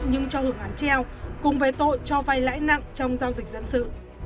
nhưng cho hưởng án treo cùng với tội cho vay lãi nặng trong giao dịch dân sự